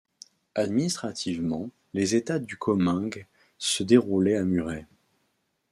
Administrativement, les États du Comminges se déroulaient à Muret.